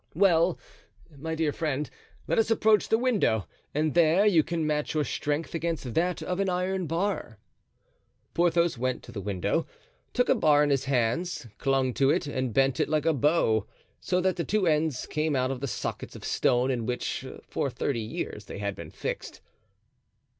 "Well, my dear friend, let us approach the window and there you can match your strength against that of an iron bar." Porthos went to the window, took a bar in his hands, clung to it and bent it like a bow; so that the two ends came out of the sockets of stone in which for thirty years they had been fixed.